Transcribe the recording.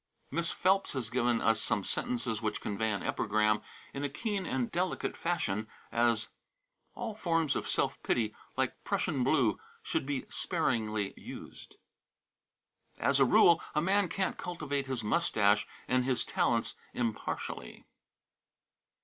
Miss Phelps has given us some sentences which convey an epigram in a keen and delicate fashion, as: "All forms of self pity, like Prussian blue, should be sparingly used." "As a rule, a man can't cultivate his mustache and his talents impartially."